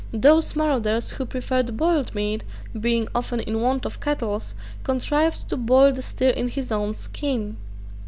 Those marauders who preferred boiled meat, being often in want of kettles, contrived to boil the steer in his own skin.